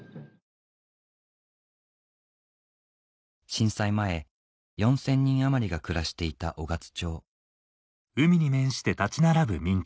震災前４０００人余りが暮らしていた雄勝町